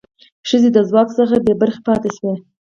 ښځې د ځواک څخه بې برخې پاتې شوې.